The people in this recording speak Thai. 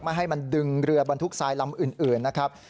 ให้มันดึงเรือบรรทุกทรายลำอื่นนะครับ